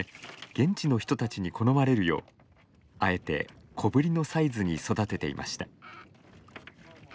現地の人たちに好まれるようあえて小ぶりのサイズに育てていました。